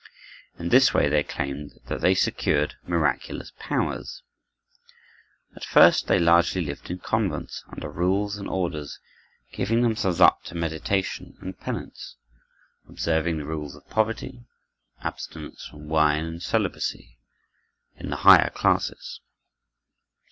In this way they claimed that they secured miraculous powers. At first they largely lived in convents, under rules and orders, giving themselves up to meditation and penance, observing the rules of poverty, abstinence from wine, and celibacy, in the higher classes.